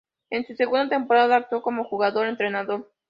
En su segunda temporada actuó como jugador-entrenador.